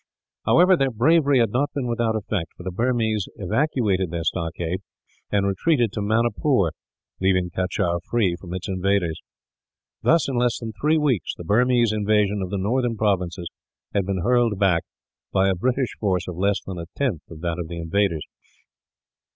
However, their bravery had not been without effect, for the Burmese evacuated their stockade and retreated to Manipur, leaving Cachar free from its invaders. Thus, in less than three weeks, the Burmese invasion of the northern provinces had been hurled back by a British force of less than a tenth of that of the invaders.